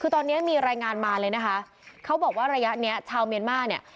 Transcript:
คือตอนนี้มีรายงานมาเลยนะคะเขาบอกว่าระยะเนี้ยชาวเมียนมาร์เนี่ย